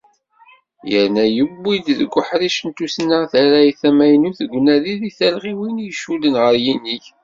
Yerna yewwi-d, deg uḥric n tussna, tarrayt tamaynut deg unadi deg talɣiwin i icudden ɣer yinig.